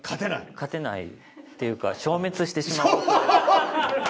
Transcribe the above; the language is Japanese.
勝てないっていうか消滅してしまう。